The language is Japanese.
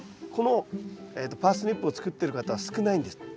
このパースニップを作ってる方は少ないんです。